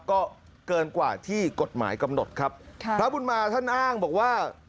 ก็เกินกว่าที่กฎหมายกำหนดครับค่ะพระบุญมาท่านอ้างบอกว่า